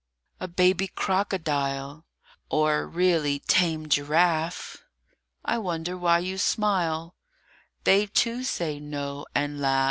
A baby crocodile Or really tame giraffe, I wonder why you smile; They, too, say "no" and laugh.